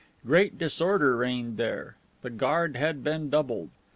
Great disorder reigned there. The guard had been doubled.